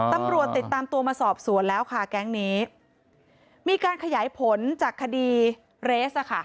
ตำรวจติดตามตัวมาสอบสวนแล้วค่ะแก๊งนี้มีการขยายผลจากคดีเรสอ่ะค่ะ